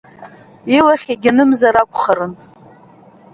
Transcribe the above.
Илахь егьанымзар акәхарын.